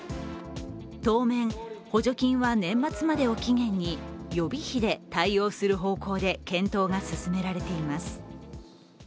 当面、補助金は年末までを期限に予備費で対応する方向で検討が進められています。